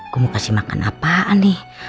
gue mau kasih makan apaan nih